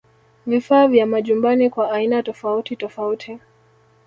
Vifaa vya majumbani kwa aina tofauti tofauti